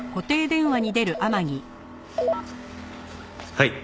はい。